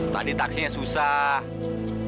tadi taksinya susah